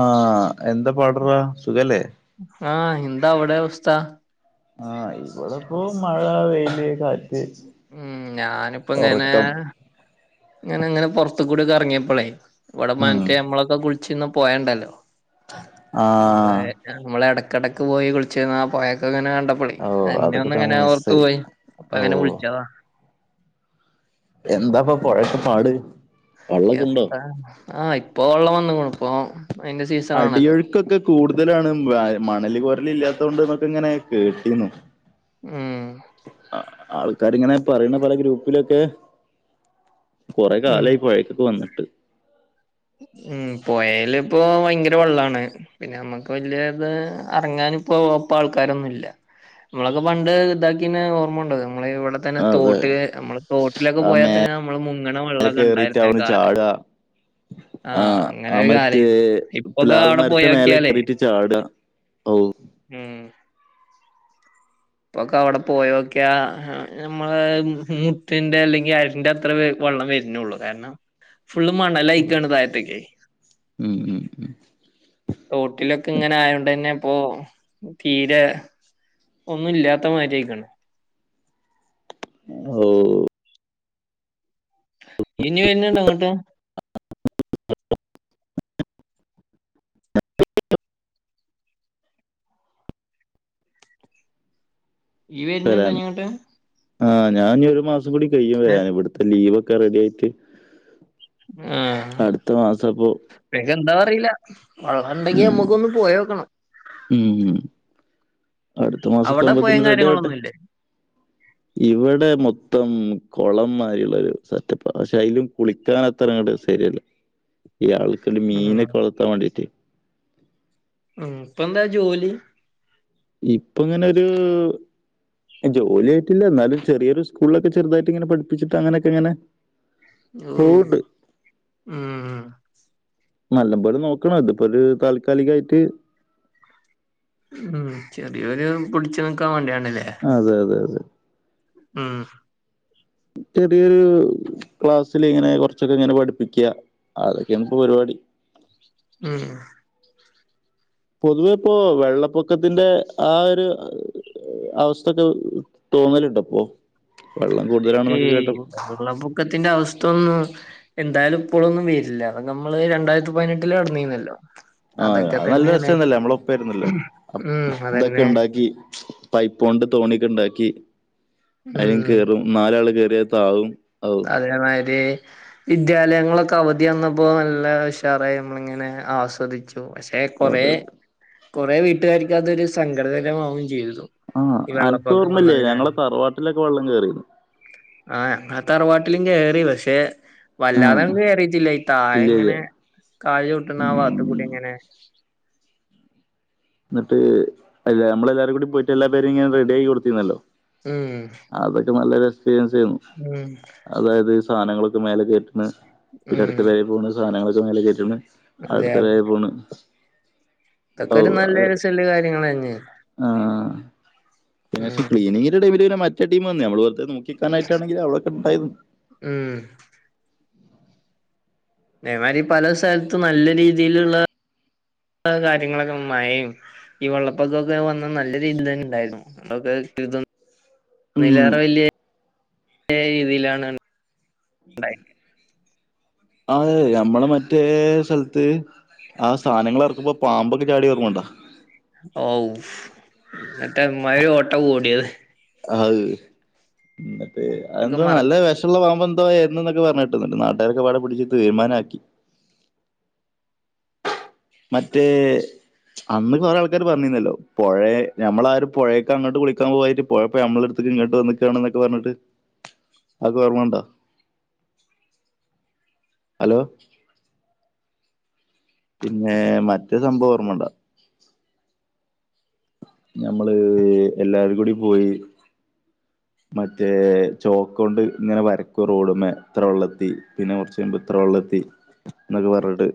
ആഹ് എന്താ പാട സുഖല്ലേ? ആഹ് എന്താ വടെവസ്ഥ? ആഹ് ഇവിടെപ്പോ മഴ വെയില് കാര്യം. ഉം ഞാനിപ്പോ ഇങ്ങനെ. ഞാൻ ന്ന് ഇങ്ങനെ പൊറത്തുകൂടെ ഒക്കെ എറങ്ങിയപ്പളേ ഇവടെ ഉം മറ്റേ നമ്മളൊക്കെ കുളിച്ചിന്ന പൊയണ്ടല്ലോ? നമ്മള ആഹ് നമ്മള് ഇടക്കിടക്ക് പോയി കുളിച്ചീന ആ പൊയൊക്കെ ങ്ങനെ കണ്ടപ്പം. ള ഓ അന്നെ അതൊക്കെ ന്ന് ഇപ്പ നമ്മ ഇങ്ങനെ ഓർത്ത് മിസ്സായി പോയി അപ്പ ഓ അങ്ങനെ വിളിച്ചതാ. എന്താപ്പൊ പുഴക്കപ്പാട്? എത്ര ആഹ് ഇപ്പൊ വെള്ളം വന്ന് ഇപ്പോ അടിയൊഴുക്കൊക്കെ കൂടുതലാണ് മണൽ കോരല ഇല്ലാത്ത കൊണ്ട് നമക്ക് ഇങ്ങനെ കേട്ടിന്നു ഉം ആൾക്കാരിങ്ങനെ പറയണു പല ഗ്രൂപ്പിലൊക്കെ. കുറെ ഉം കാലമായി പുഴേക്കൊക്കെ വന്നിട്ട് ഉം പൊയൽ ഇപ്പോ ഭയങ്കര വെള്ളാണ്. പിന്നെ നമ്മുക്ക് വല്യ ഇത് അറങ്ങാന ഇപ്പോ ഇപ്പ ആൾക്കാരൊന്നും ഇല്ല നമ്മളൊക്കെ പണ്ട് ഇതാക്കിന് ഓർമ്മുണ്ട നമ്മള് ഇവിടെ തന്നെ അതെ തോട്ടില് നമ്മള് തോട്ടിലൊക്കെ ആ പോയാൽ മേലെ തന്നെ നമ്മള് മുങ്ങണ വെള്ളോക്കെ കേറിട്ട് ഇണ്ടായിരുന്നു ഒരു അവിടുന്ന് കാലം ചാടുക ആഹ് അങ്ങനെ ആ ഒരു മറ്റേ കാലേനു ഇപ്പൊക്കെ പ്ലാവ്ലാൽ അവിടെ മരത്തെ പോയോക്കിയാലേ മേലെകറിയിട്ട് ചാട് അ ഓഹ് ഉം ഇപ്പൊക്കെ അവിടെ പോയോക്കെയ നമ്മള് മുട്ടിന്റെ അല്ലെങ്കി അരിന്റെ അത്ര വെള്ളം വരുന്നുള്ളൂ കാരണം ഫുള്ള് മണലയിക്കാണ് ഉം താഴത് ഉം ഉം തോട്ടിലൊക്കെ ഇങ്ങനെ ആയോണ്ട് തന്നെ ഇപ്പൊ തീരെ ഒന്നും ഇല്ലാത്തമാതിരി യായിക്കാണ് ഓഹ് ഇനിയ എന്നന്നെ അങ്ങോട്ട് ഈ വരുന്ന ഉണ്ടോ വരാന് ഞങ്ങട്ട് ആഹ് ഞാനിനി ഒരു മാസം കൂടി കഴിയും ഏഹ് വരാന് ഇവിടുത്തെ ലീവൊക്കെ റെഡി ആയിട്ട് അടുത്ത മാസ വേഗം എന്താന്നറിയില്ല വളറെണ്ടെങ്കി ഉം നമുക്കൊന്ന് പോയോക്കണം. ഉം അടുത്ത മാസൊക്കെ അവിടെ ആവുമ്പോത്ത് പോയം ന് റെഡി ആവട്ടെ കാര്യങ്ങളൊന്നും ഇല്ലേ ഇവിടെ മൊത്തം കൊളം മാരിയുള്ള ഒരു സെറ്റപ്പ പക്ഷെ അത കുളിക്കാൻ അത്രങ്ങട്ട ശരിയല്ല ഈ ആൾക്ക ഒരു ഉം മീനൊക്കെ വളർത്താൻ വേണ്ടീട്ട് ഉം ഇപ്പെന്താ ജോലി. ഇപ്പൊ ഇങ്ങനെരു ജോലിയായിട്ടില്ല എന്നാലും ചെറിയൊരു സ്കൂളിലൊക്കെ ചെറുതായിട്ട് ഇങ്ങനെ പഠിപ്പിച്ചിട്ട് അങ്ങനേക്കങ്ങനെ ഓ പൂട് ഉം നല്ല പോലെ നോക്കണം ഇതിപ്പൊരു താൽക്കാലികായിട്ട്. ഉം ചെറിയൊരു പിടിച്ചു നിൽക്കാൻ വേണ്ടിയാണ്ട് അതെ അതെ അതെ ഉം ഉം ചെറിയൊരു ക്ലാസ്സിൽ ഇങ്ങനെ കുറച്ചൊക്കെ ഇങ്ങനെ പഠിപ്പിക്കുക അതൊക്കെയാണ് ഇപ്പോ പരിപാടി ഉം പൊതുവെ ഇപ്പോ വെള്ളപ്പൊക്കത്തിന്റെ ആ ഒരു അവസ്ഥൊക്കെ തോന്നലുട്ടപ്പോ വെള്ളം കൂടുതലാ ഏയ് വെള്ളപ്പൊക്കത്തിന്റെ അവസ്ഥ ഒന്ന് എന്തായാലും ഇപ്പോഴൊന്നും വരില്ല അതൊ നമ്മള് രണ്ടായിരത്തി പതിനെട്ടില് നടന്നരുന്നല്ലോ ആഹ് അത് നല്ല രസേരുന്നല്ലോ നമ്മള ഉപ്പേയിരുന്നല്ലോ അപ് ഉം ഇതൊക്കെ അതന്നെ ഇണ്ടാക്കി പൈപ്പ കൊണ്ട് തോണിക്ക ഉണ്ടാക്കി അതില് ഉം കയറും നാലാള് കേറിയ താവും. അതേമാരി വിദ്യാലയങ്ങളൊക്കെ അവധി വന്നപ്പോൾ നല്ല ഉഷാറായി നമ്മളിങ്ങനെ ആസ്വദി [unintelligible] പക്ഷെ കൊറേ അതെ കൊറേ വീട്ടുകാരിക്ക് അതൊരു സംഘടകരമാവും ചെയ്തു. ആഹ് ഈ എനക്ക് വെള്ളപ്പൊക്കം ഓർമ്മയില്ലേ വന്നതിനാൽ ഞങ്ങളെ തറവാട്ടിലൊക്കെ വെള്ളം കേറി ആഹ് ത്തറവാട്ടിലും കയറി പക്ഷെ വല്ലാതെ ആഹ് അങ്ങട് കേയറിട്ടില്ല ഈ താഴെ ഇല്ല ഇല്ല ഇങ്ങനെ കാലു ചവിട്ടുന്ന ആ ഭാഗത്ത് കൂടി ഉം ഇങ്ങനെ എന്നിട്ട് അല്ല നമ്മളെല്ലാരും കൂടി പോയിട്ട് എല്ലാ പേരും ഇങ്ങനെ റെഡി ആയി കൊടുത്തിരുന്നല്ലോ. ഉം ഉം അതൊക്കെ നല്ലരു എക്സ്പീരിൻസ് ഏര്ന്നു ഉം അതായത് സാധനങ്ങളൊക്കെ മേലെ കേറ്റ്ണ്, ഉം തിലെടക്ക് തായേ പോക്ന്ന സാധനങ്ങളൊക്കെ മേലെ കേറ്റ്ണ്. അതെ അടുത്തത് തായേ പോണ് തൊക്കൊര് നൽ [unintelligible] ആഹ് ഒര് പശ്ശെ ഉം ക്ലീനിങ്ങിന്റെ ടൈമില് പിന്നെ മറ്റ് റ്റേ ടീമന്ന് ഞമ്മള് വെർതേ നോക്കിക്കാനട്ടാണെങ്കിലും അവളൊക്കെണ്ടായിന് ഉം തേമാതിരി പല സ്ഥലത്തും നല്ല രീതിയിലുള്ള കാര്യങ്ങളൊക്കെ മഴയും ഈ വെള്ളപ്പൊക്കൊക്കെ വന്നന്ന് നല്ല രീതിൽ തന്നെ ഉണ്ടായിരുന്നു. അന്നൊക്കെ ട്ട് [unintelligible] ഉം തിലേറെ വല്യ രീതിയിലാണ് ണ്ടായി [unintelligible] അതെ ഞമ്മളെ മറ്റേ സ്ഥലത്ത് ആ സാനങ്ങൾ ഒറക്കുമ്പൊ പാമ്പൊക്കെ ചാടിയെ ഓർമ്മണ്ടോ ഔഫ് എന്നിട്ട് എമ്മാതിരി ഓട്ട ഓടിയത് ആഹ് [unintelligible] ഒക്കെ അതെന്ത മറ നല്ല വിഷ ള്ളാമ്പ എന്തൊക്കെ പറഞ്ഞിണ്ട് നാട്ടുകാരൊക്കെ പിടിച്ച് തീരുമാനമാക്കി മറ്റേ അന്ന് കൊറേ ആൾക്കാര് പറഞ്ഞിന്നല്ലോ പൊഴേ ഞമ്മളാ ആ ര് പുഴേക്കങ്ങട്ട് കുളിക്കാൻ പോയിറ്റ് പോയപ്പോ ഞമ്മളെട്ത്ത്ക്ക് ഇങ്ങട്ട് വന്ന്ക്കാണ്ന്നൊക്കെ പറഞ്ഞ്ട്ട് [inaudible] അക്കൊർമ്മണ്ടോ ഹലോ പിന്നെ മറ്റേ സംഭവം ഓർമ്മണ്ടാ ഞമ്മള് എല്ലാരും കൂടി പോയി [inaudible] മറ്റേ ചോക്കോണ്ട് ഇങ്ങനെ വരക്കും റോഡ്മ്മേ ത്ര വെള്ളത്തി. പിന്നെ, കുറച്ച് കഴിയുമ്പ അത്ര വെള്ളം എത്തി എന്നൊക്കെ പറഞ്ഞിട്ട്